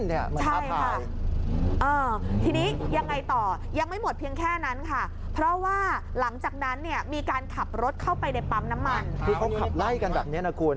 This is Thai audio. เหมือนท้าทาย